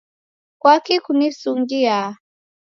Kwaki kunisungiaa?